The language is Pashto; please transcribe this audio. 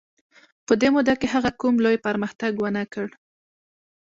په دې موده کې هغه کوم لوی پرمختګ ونه کړ.